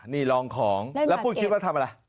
นี่ลองของแล้วพูดคิดว่าทำอะไร